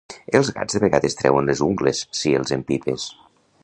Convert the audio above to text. Els gats de vegades treuen les ungles si els empipes